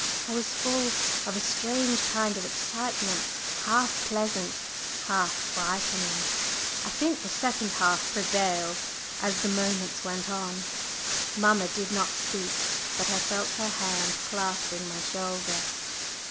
I was full of a strange kind of excitement, half pleasant, half frightening. I think the second half prevailed as the moments went on. Mamma did not speak, but I felt her hand clasping my shoulder.